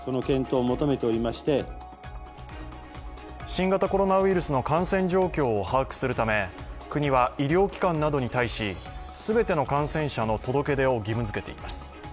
新型コロナウイルスの感染状況を把握するため、国は医療機関などに対し全ての感染者の届け出を義務づけています。